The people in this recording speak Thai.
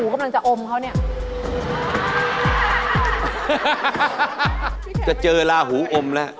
๔๒โอเคหรอ